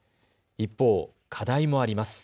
一方、課題もあります。